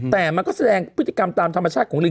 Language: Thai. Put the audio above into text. แต่มันก็แสดงพฤติกรรมตามธรรมชาติของลิง